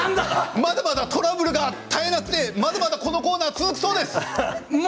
まだまだトラブルが絶えなくてまだまだこのコーナー続くそうです。